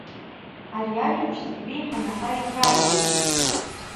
Ари ажәабжь зегьы реиҳа Наҳар ихьааигеит.